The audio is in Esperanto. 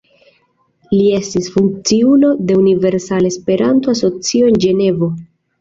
Li estis funkciulo de Universala Esperanto-Asocio en Ĝenevo.